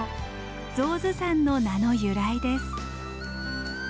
象頭山の名の由来です。